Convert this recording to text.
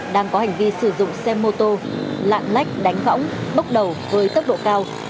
đang có hành vi sử dụng xe mô tô lạc lách đánh gõng bốc đầu với tốc độ cao